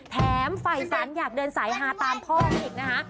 แถมไฟสันอยากเดินสายหาตามพ่อเขาอีกนะฮะ